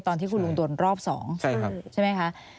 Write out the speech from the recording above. ตอนที่คุณลุงโดนรอบ๒ใช่ไหมคะ